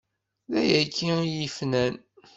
D ayagi i yi-fnan!